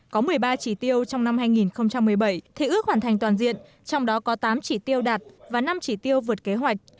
có một mươi ba chỉ tiêu trong năm hai nghìn một mươi bảy thì ước hoàn thành toàn diện trong đó có tám chỉ tiêu đạt và năm chỉ tiêu vượt kế hoạch